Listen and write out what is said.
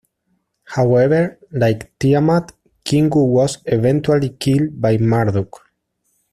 However, like Tiamat, Kingu was eventually killed by Marduk.